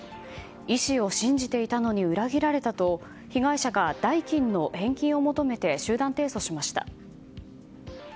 医師を信じていたのに裏切られたと被害者が代金の返金を求めて集団提訴しました。